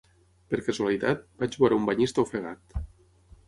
Per casualitat, vaig veure un banyista ofegat